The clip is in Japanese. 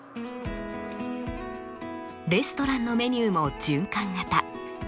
レストランのメニューも循環型。